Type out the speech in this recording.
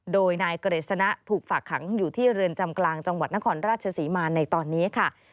โดยนายกฤษณะถูกฝากขังอยู่ที่เรือนจำกลางจังหวัดนครราชศรีมาในตอนนี้ค่ะ